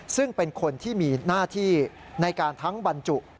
ซึ่งเป็นคนที่มีหน้าที่ในการทั้งบรรจุ